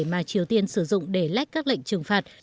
mà triều tiên sử dụng để lách các lệnh trừng phạt